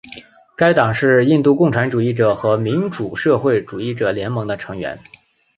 该党是印度共产主义者和民主社会主义者联盟的成员。